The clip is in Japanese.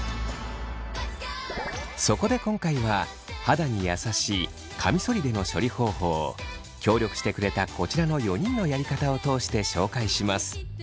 そこで今回は肌に優しいカミソリでの処理方法を協力してくれたこちらの４人のやり方を通して紹介します。